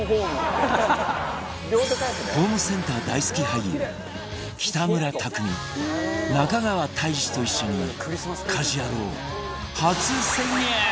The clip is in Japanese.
ホームセンター大好き俳優北村匠海中川大志と一緒に『家事ヤロウ！！！』初潜入！